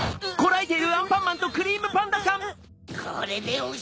えい！